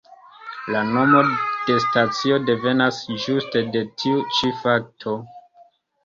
La nomo de stacio devenas ĝuste de tiu ĉi fakto.